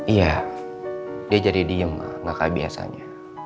iya dia jadi diem ma gak kayak biasanya